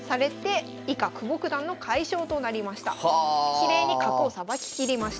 きれいに角をさばききりました。